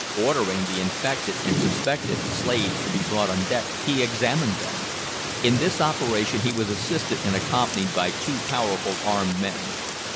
Ordering the infected, and suspected, slaves to be brought on deck, he examined them. In this operation he was assisted and accompanied by two powerful armed men.